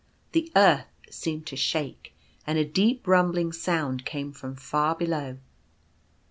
The earth seemed to shake, and a deep rumbling sound came from far below.